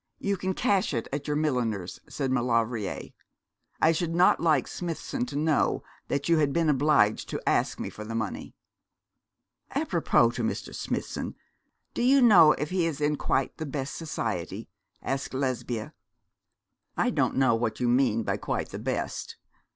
You can cash it at your milliner's,' said Maulevrier. 'I should not like Smithson to know that you had been obliged to ask me for the money.' 'Apropos to Mr. Smithson, do you know if he is in quite the best society?' asked Lesbia. 'I don't know what you mean by quite the best.